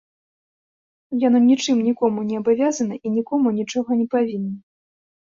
Яно нічым нікому не абавязана і нікому нічога не павінна.